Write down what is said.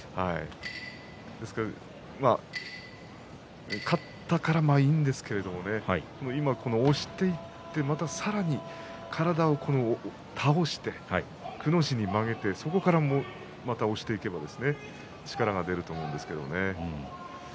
ですから勝ったからいいんですけれど今、押していってまたさらに体を倒してくの字に曲げてそこからまた押していけば力が出ると思うんですけどね。